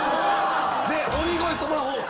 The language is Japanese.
で鬼越トマホーク。